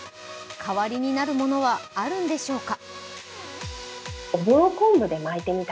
代わりになるものはあるのでしょうか？